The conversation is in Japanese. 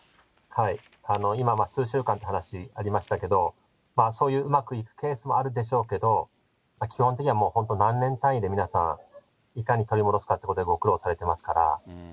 はい、今数週間っていう話ありましたけど、そういううまくいくケースもあるでしょうけど、基本的にはもう本当、何年単位で皆さん、いかに取り戻すかっていうことでご苦労されてますから。